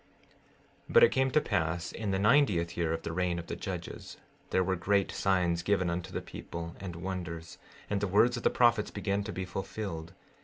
16:13 But it came to pass in the ninetieth year of the reign of the judges, there were great signs given unto the people, and wonders; and the words of the prophets began to be fulfilled.